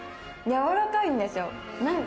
やわらかいんですよ。